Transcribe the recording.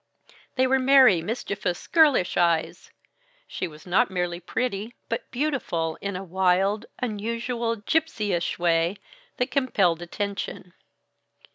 They were merry, mischievous, girlish eyes. She was not merely pretty, but beautiful, in a wild, unusual gypsyish way that compelled attention.